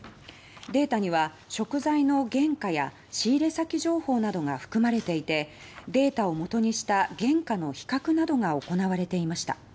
データには食材の原価や仕入れ先情報などが含まれていてデータを基にした原価の比較などが行われていました。